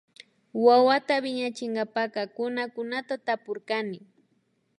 Wawata wiñachinkapa kunakunata tapurkani